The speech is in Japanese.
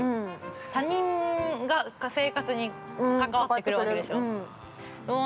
他人が生活にかかわってくるわけでしょう。